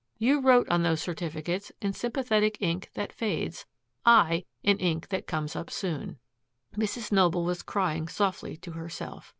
You wrote on those certificates in sympathetic ink that fades, I in ink that comes up soon." Mrs. Noble was crying softly to herself.